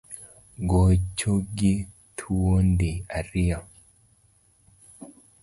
Gocho gi thuondi ariyo